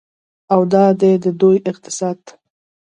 او دا دی د دوی اقتصاد.